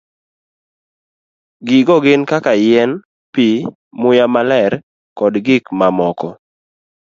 Gigo gin kaka yien, pi, muya maler, kod gik mamoko.